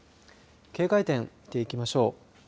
警戒点、見ていきましょう。